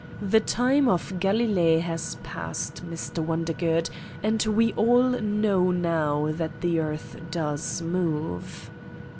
The time of Galilee has passed, Mr. Wondergood, and we all know now that the earth does move!"